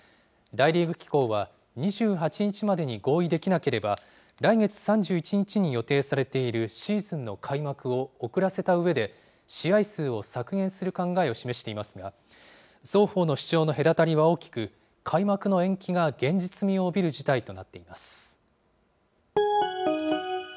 大リーグ機構は、２８日までに合意できなければ、来月３１日に予定されているシーズンの開幕を遅らせたうえで、試合数を削減する考えを示していますが、双方の主張の隔たりは大きく、開幕の延期が現実味を帯びる事態となっています。